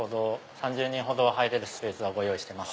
３０人ほど入れるスペースはご用意してます。